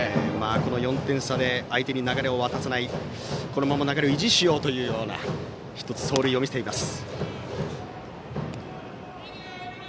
この４点差で相手に流れを渡さないこのまま流れを維持しようという走塁を見せています。